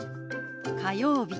「火曜日」。